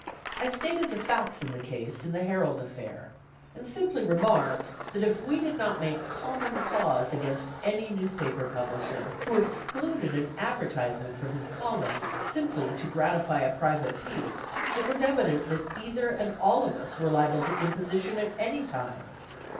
I stated the facts in the case in the Herald affair, and simply remarked, that if we did not make common cause against any newspaper publisher who excluded an advertisement from his columns simply to gratify a private pique, it was evident that either and all of us were liable to imposition at any time.